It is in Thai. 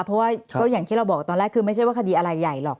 เพราะว่าก็อย่างที่เราบอกตอนแรกคือไม่ใช่ว่าคดีอะไรใหญ่หรอก